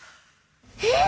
えっ！？